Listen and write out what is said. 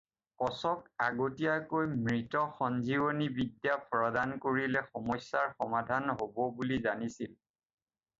কচক আগতীয়াকৈ মৃত-সঞ্জীৱনী বিদ্যা প্ৰদান কৰিলে সমস্যাৰ সমাধান হ'ব বুলি জানিছিল।